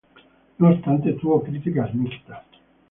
No obstante, tuvo críticas mixtas.